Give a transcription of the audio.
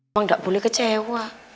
emang gak boleh kecewa